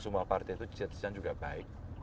semua partai itu chatnya juga baik